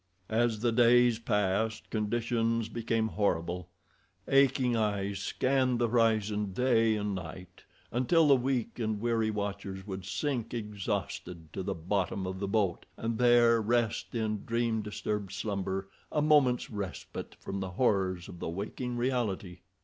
As the days passed conditions became horrible. Aching eyes scanned the horizon day and night until the weak and weary watchers would sink exhausted to the bottom of the boat, and there wrest in dream disturbed slumber a moment's respite from the horrors of the waking reality.